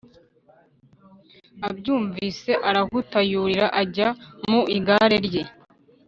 abyumvise arahuta yurira ajya mu igare rye